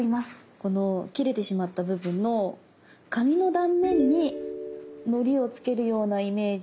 この切れてしまった部分の紙の断面にのりをつけるようなイメージで。